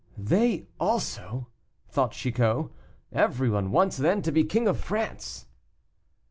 "They also!" thought Chicot; "everyone wants then to be King of France!"